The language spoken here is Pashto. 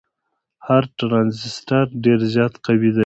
هر ټرانزیسټر ډیر زیات قوي دی.